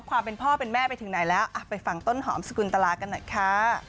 ความเป็นพ่อเป็นแม่ไปถึงไหนแล้วไปฟังต้นหอมสกุลตลากันหน่อยค่ะ